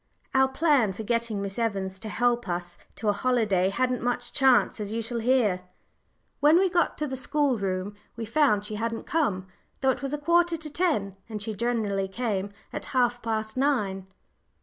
Our plan for getting Miss Evans to help us to a holiday hadn't much chance, as you shall hear. When we got to the school room we found she hadn't come, though it was a quarter to ten, and she generally came at half past nine.